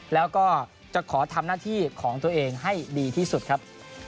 แล้วก็จะขอทำหน้าที่ของตัวเองให้ดีที่สุดครับ